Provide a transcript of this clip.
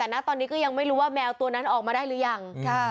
แต่นะตอนนี้ก็ยังไม่รู้ว่าแมวตัวนั้นออกมาได้หรือยัง